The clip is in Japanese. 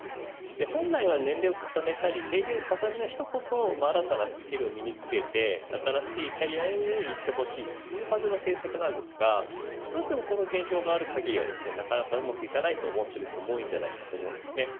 本来は年齢を重ねたり経験を重ねた人こそ新たなスキルを身に付けて新しいキャリアにいってほしいという政策ですがどうしてもこの現状がある限りはなかなかうまくいかないと思っている人も多いです。